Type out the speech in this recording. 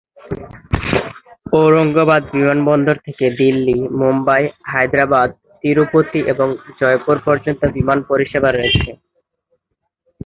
ঔরঙ্গাবাদ বিমানবন্দর থেকে দিল্লী, মুম্বাই, হায়দরাবাদ-তিরুপতি এবং জয়পুর পর্যন্ত বিমান পরিষেবা রয়েছে।